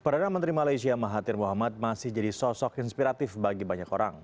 perdana menteri malaysia mahathir muhammad masih jadi sosok inspiratif bagi banyak orang